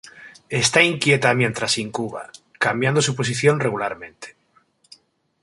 Está inquieta mientras incuba, cambiando su posición regularmente.